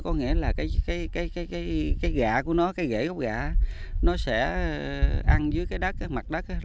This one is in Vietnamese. có nghĩa là cái gạ của nó cái ghể gốc gạ nó sẽ ăn dưới cái đất mặt đất